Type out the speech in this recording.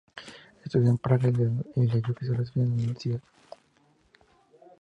Estudió en Praga y leyó Filosofía en la Universidad.